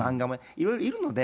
いろいろいるので。